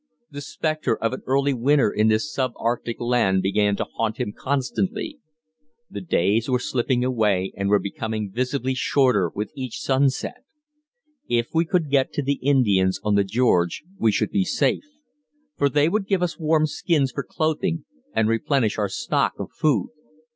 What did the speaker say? The spectre of an early winter in this sub Arctic land began to haunt him constantly. The days were slipping away and were becoming visibly shorter with each sunset. If we could get to the Indians on the George, we should be safe; for they would give us warm skins for clothing and replenish our stock of food.